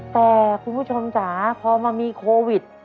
แต่คุณผู้ชมจ๋าพอมามีโควิด